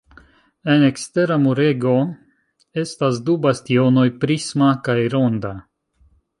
En ekstera murego estas du bastionoj, prisma kaj ronda.